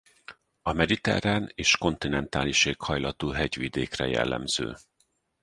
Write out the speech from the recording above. A mediterrán és kontinentális éghajlatú hegyvidékekre jellemző.